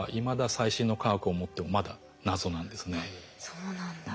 そうなんだ。